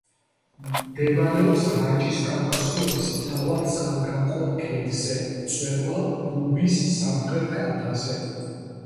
მდებარეობს რაჭის კავკასიონის მთავარ წყალგამყოფ ქედზე, მწვერვალ ბუბის სამხრეთ კალთაზე.